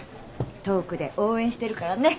遠くで応援してるからね。